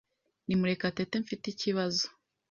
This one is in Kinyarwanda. Ni Murekatete Mfite ikibazo.